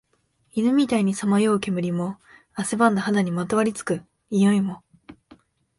犬みたいにさまよう煙も、汗ばんだ肌にまとわり付く臭いも、